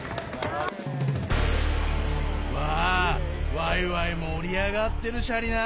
わいわいもりあがってるシャリなあ！